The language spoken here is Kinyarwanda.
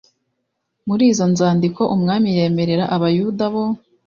Muri izo nzandiko umwami yemerera Abayuda bo